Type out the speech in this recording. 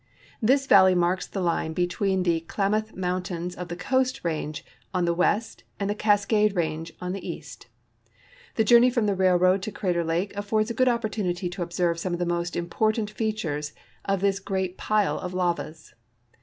This valley marks the line between the Klamath moun tains of the Coast range on the west and the Cascade range on the east. The journe}'' from the railroad to Crater lake affords a good opportunity to observe some of the most important features of this great pile of lavas.